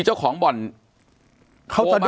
ปากกับภาคภูมิ